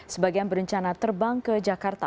sebagian berencana terbang ke jakarta